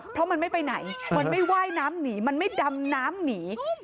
เพราะมันไม่ไปไหนมันไม่ว่ายน้ำหนีมันไม่ดำน้ำหนี